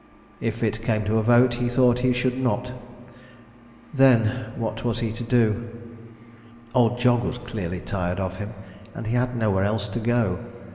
If it came to a vote, he thought he should not. Then, what was he to do? Old Jog was clearly tired of him; and he had nowhere else to go to.